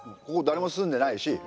ここ誰も住んでないし